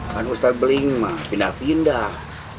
kan ustadz beling mah pindah pindah